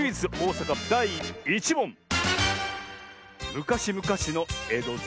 むかしむかしのえどじ